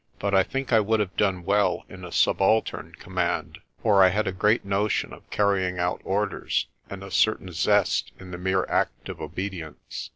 But I think I would have done well in a subaltern command, for I had a great notion of carrying out orders and a certain zest in the mere act of obedience.